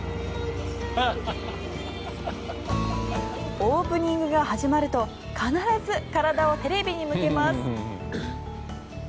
オープニングが始まると必ず体をテレビに向けます。